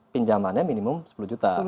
pinjamannya minimum sepuluh juta